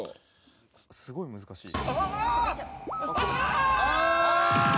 すごい難しい。